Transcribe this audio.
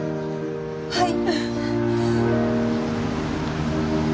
はい！